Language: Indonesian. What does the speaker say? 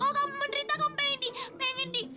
kalo kamu menderita kamu pengen di